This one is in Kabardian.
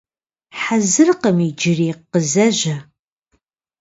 Хьэзыркъым иджыри, къызэжьэ.